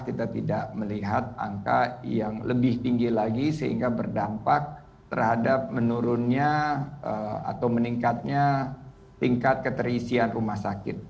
kita tidak melihat angka yang lebih tinggi lagi sehingga berdampak terhadap menurunnya atau meningkatnya tingkat keterisian rumah sakit